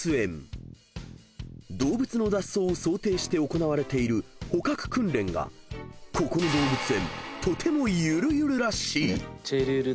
［動物の脱走を想定して行われている捕獲訓練がここの動物園とてもゆるゆるらしい］